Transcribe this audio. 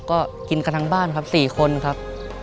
ก็กินกันทั้งบ้านครับ๔คนครับ